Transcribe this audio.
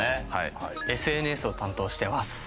ＳＮＳを担当してます。